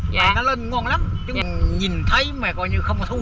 mà nó lên ngon lắm chứ nhìn thấy mà coi như không có thu được